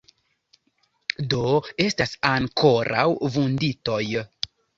Do, estas ankoraŭ vunditoj.